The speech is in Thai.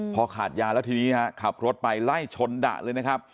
พอขาดยาแล้วทีนี้ฮะขับรถไปไล่ชนดะเลยนะครับ